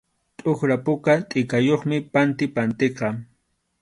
Tʼuqra puka tʼikayuqmi pantipantiqa.